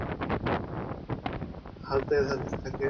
তুমিই তো সারাক্ষণ আমার জিনিসপত্র হাতাতে থাকো।